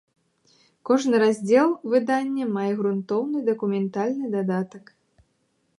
Кожны раздзел выдання мае грунтоўны дакументальны дадатак.